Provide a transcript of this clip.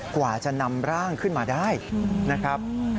กว่าจะนำร่างขึ้นมาได้นะครับ